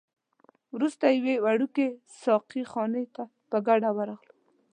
وروسته یوې وړوکي ساقي خانې ته په ګډه ورغلو.